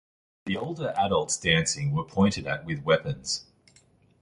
The older adults dancing were pointed at with weapons.